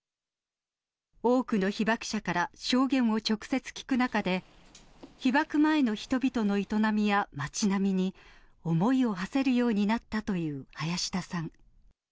多くの被爆者から証言を直接聞く中で、被爆前の人々の営みや街並みに、思いをはせるようになったという林田さん。